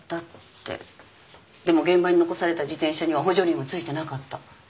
でも現場に残された自転車には補助輪も付いてなかった。